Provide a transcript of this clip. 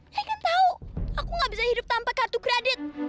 saya kan tahu aku gak bisa hidup tanpa kartu kredit